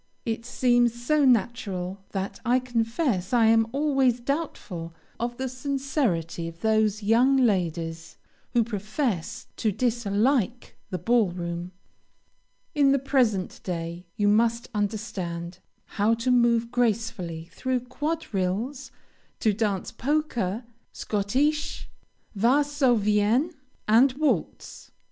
It seems so natural that I confess I am always doubtful of the sincerity of those young ladies who profess to dislike the ball room. In the present day, you must understand how to move gracefully through quadrilles, to dance polka, Schottische, Varsovienne, and waltz.